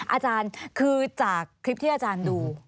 อาจารย์คือจากคลิปที่อาจารย์ดู